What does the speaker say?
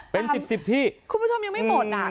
เป็น๑๐๑๐ที่คุณผู้ชมยังไม่หมดอ่ะ